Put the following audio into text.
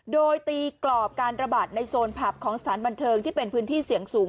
โดยตีกรอบการระบาดในโซนผับของสถานบันเทิงที่เป็นพื้นที่เสี่ยงสูง